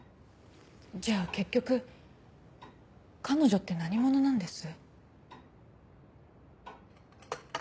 じゃあ結局彼女って何者なんです？